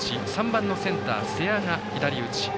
３番のセンター、瀬谷が左打ち。